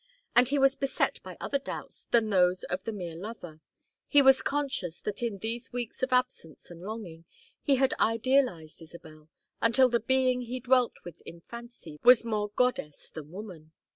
And he was beset by other doubts than those of the mere lover. He was conscious that in these weeks of absence and longing, he had idealized Isabel, until the being he dwelt with in fancy was more goddess than woman.